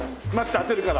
当てるから。